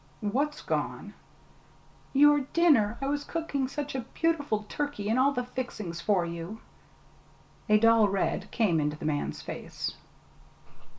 "What's gone?" "Your dinner I was cooking such a beautiful turkey and all the fixings for you." A dull red came into the man's face.